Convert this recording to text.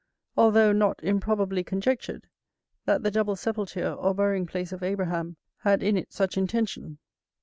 Although not improbably conjectured, that the double sepulture, or burying place of Abraham, had in it such intention.